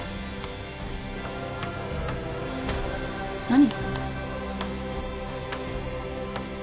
何？